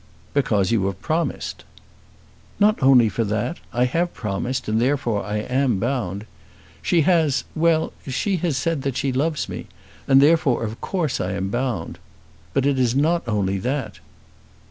"Because you have promised." "Not only for that. I have promised and therefore I am bound. She has well, she has said that she loves me, and therefore of course I am bound. But it is not only that."